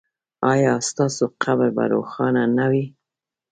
ایا ستاسو قبر به روښانه نه وي؟